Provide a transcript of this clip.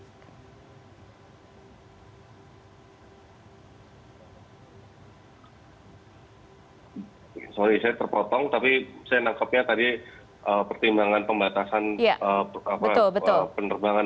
oke saya terpotong tapi saya nangkepnya tadi pertimbangan pembatasan penerbangan